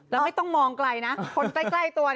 แล้วไม่ต้องมองไกลนะ